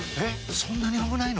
そんなに危ないの？